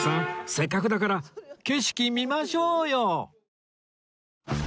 せっかくだから景色見ましょうよ！